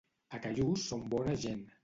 A Callús són bona gent.